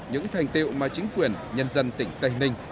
những thành tiệu mà chính quyền nhân dân tỉnh tây ninh